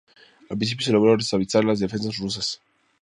Al principio se logró desestabilizar las defensas rusas.